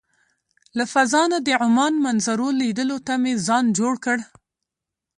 له فضا نه د عمان منظرو لیدلو ته مې ځان جوړ کړ.